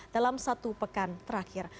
dalam satu pekan terakhir